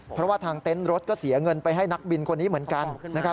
เพราะว่าทางเต็นต์รถก็เสียเงินไปให้นักบินคนนี้เหมือนกันนะครับ